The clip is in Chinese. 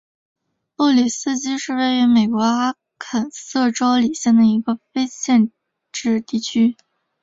布里基斯是位于美国阿肯色州李县的一个非建制地区。